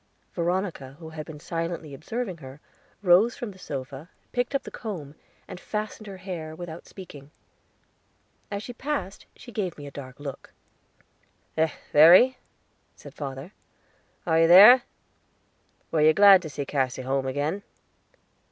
Veronica, who had been silently observing her, rose from the sofa, picked up the comb, and fastened her hair, without speaking. As she passed she gave me a dark look. "Eh, Verry," said father, "are you there? Were you glad to see Cassy home again?"